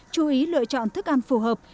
chú ý lựa chọn thức ăn phù hợp